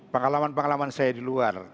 pengalaman pengalaman saya di luar